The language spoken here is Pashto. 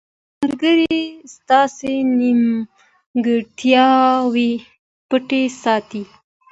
• ملګری ستا نیمګړتیاوې پټې ساتي.